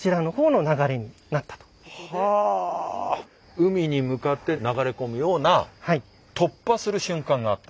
海に向かってなだれ込むような突破する瞬間があった。